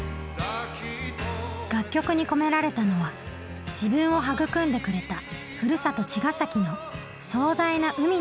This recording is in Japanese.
楽曲に込められたのは自分を育んでくれたふるさと茅ヶ崎の壮大な海のイメージでした。